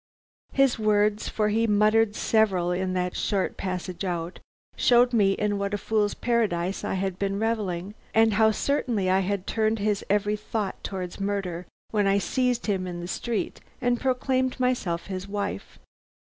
His words, for he muttered several in that short passage out, showed me in what a fools' paradise I had been revelling, and how certainly I had turned his every thought towards murder when I seized him in the street and proclaimed myself his wife.